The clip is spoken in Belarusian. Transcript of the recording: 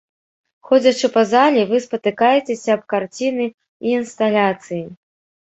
Ходзячы па зале, вы спатыкаецеся аб карціны і інсталяцыі.